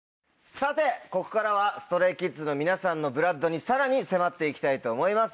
さてここからはＳｔｒａｙＫｉｄｓの皆さんのＢＬＯＯＤにさらに迫って行きたいと思います。